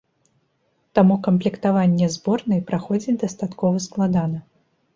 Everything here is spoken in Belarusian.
Таму камплектаванне зборнай праходзіць дастаткова складана.